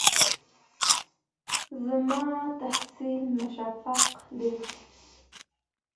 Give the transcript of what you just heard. زما تخلص مشفق دی